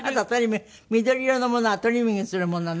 緑色のものはトリミングするものね？